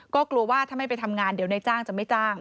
ก็กลัวว่าถ้าไม่ไปทำงานเดี๋ยวนายจ้างจะไม่จ้าง